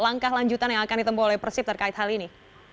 langkah lanjutan yang akan ditempuh oleh persib terkait hal ini